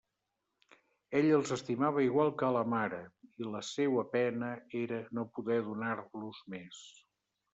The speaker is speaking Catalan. Ell els estimava igual que a la mare, i la seua pena era no poder donar-los més.